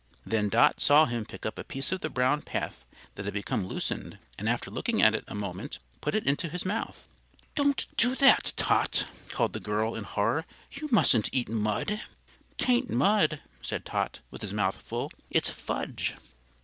Then Dot saw him pick up a piece of the brown path that had become loosened, and after looking at it a moment put it into his mouth. "Don't do that, Tot!" called the girl, in horror. "You mustn't eat mud." "T'ain't mud," said Tot, with his mouth full. "It's fudge."